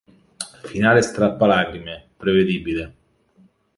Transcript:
Finale strappalacrime, prevedibile.